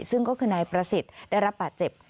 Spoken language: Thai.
ซึ่งก็คือนายประสิทธิ์ได้รับบาดเจ็บ